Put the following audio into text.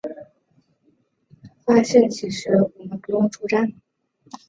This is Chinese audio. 发现其实我们不用出站